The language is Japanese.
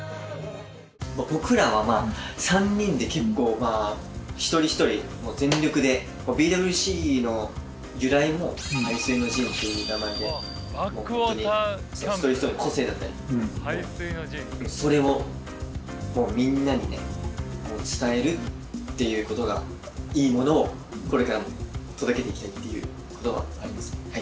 僕らは３人で結構まあ一人一人全力でＢＷＣの由来も「背水の陣」という名前で一人一人の個性だったりそれをみんなに伝えるっていうことがいいものをこれからも届けていきたいっていうことはありますはい。